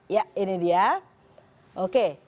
ya ini dia oke